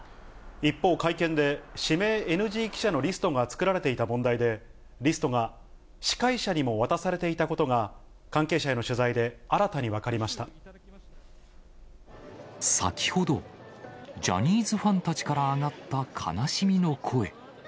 一方、会見で指名ＮＧ記者のリストが作られていた問題で、リストが司会者にも渡されていたことが、関係者への取材で新たに分かりま先ほど、ジャニーズファンたちから上がった悲しみの声。